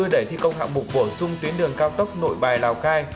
để thi công hạng mục bổ sung tuyến đường cao tốc nội bài lào cai